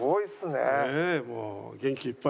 ねえもう元気いっぱいで。